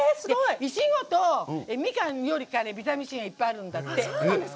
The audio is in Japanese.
いちごとみかんよりビタミンＣがいっぱいあるんだって。